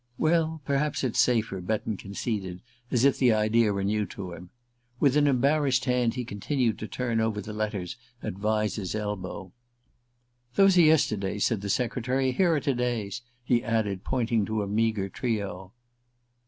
"Well, perhaps it's safer," Betton conceded, as if the idea were new to him. With an embarrassed hand he continued to turn over the letters at Vyse's elbow. "Those are yesterday's," said the secretary; "here are to day's," he added, pointing to a meagre trio.